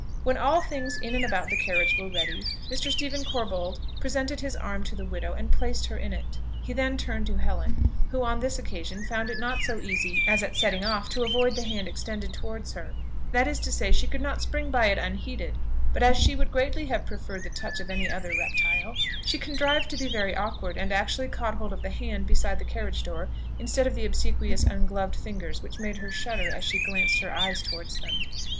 When all things in and about the carriage were ready, Mr. Stephen Corbold presented his arm to the widow, and placed her in it. He then turned to Helen, who on this occasion found it not so easy as at setting off to avoid the hand extended towards her; that is to say, she could not spring by it unheeded: but as she would greatly have preferred the touch of any other reptile, she contrived to be very awkward, and actually caught hold of the handle beside the carriage door, instead of the obsequious ungloved fingers which made her shudder as she glanced her eyes towards them.